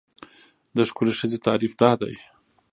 د ښکلې ښځې تعریف دا دی.